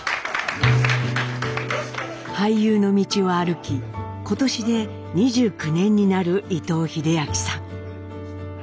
俳優の道を歩き今年で２９年になる伊藤英明さん。